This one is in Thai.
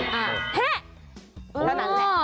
เป็นงานแหละ